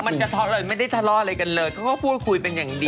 เลยไม่ได้ทะเลาะอะไรกันเลยเขาก็พูดคุยเป็นอย่างดี